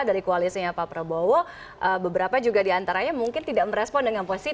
dari koalisinya pak prabowo beberapa juga diantaranya mungkin tidak merespon dengan positif